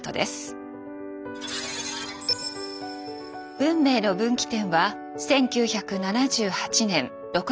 運命の分岐点は１９７８年６月１４日。